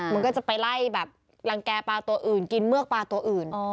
มันก็จะไปไล่แบบรังแก่ปลาตัวอื่นกินเมือกปลาตัวอื่น